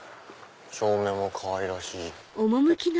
照明もかわいらしい。